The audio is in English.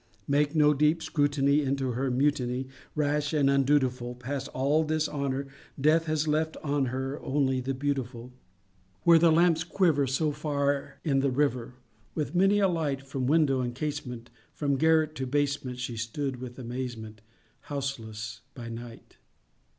Make no deep scrutiny Into her mutiny Rash and undutiful; Past all dishonor, Death has left on her Only the beautiful. Where the lamps quiver So far in the river, With many a light From window and casement From garret to basement, She stood, with amazement, Houseless by night.